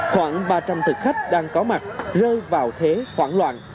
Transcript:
khoảng ba trăm linh thực khách đang có mặt rơi vào thế khoảng